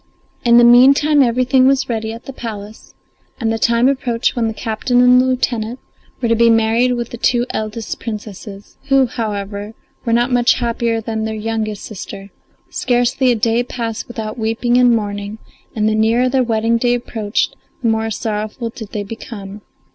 In the meantime everything was ready at the palace, and the time approached when the captain and lieutenant were to be married with the two eldest Princesses, who, however, were not much happier than their youngest sister; scarcely a day passed without weeping and mourning, and the nearer the wedding day approached the more sorrowful did they become.